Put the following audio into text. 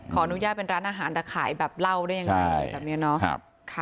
ขอนุญาตเป็นร้านอาหารแต่ขายแบบเหล้าด้วยยังไง